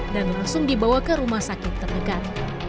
dan langsung dibawa ke rumah sakit terdekat